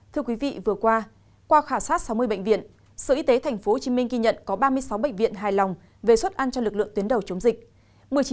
thưa quý vị vừa qua qua khảo sát sáu mươi bệnh viện sở y tế tp hcm ghi nhận có ba mươi sáu bệnh viện hài lòng về suất ăn cho lực lượng tuyến đầu chống dịch